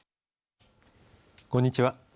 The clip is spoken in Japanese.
こんにちは。